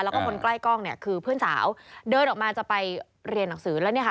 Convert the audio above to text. แล้วก็คนใกล้กล้องเนี่ยคือเพื่อนสาวเดินออกมาจะไปเรียนหนังสือแล้วเนี่ยค่ะ